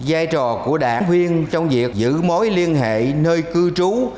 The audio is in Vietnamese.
giai trò của đảng viên trong việc giữ mối liên hệ nơi cư trú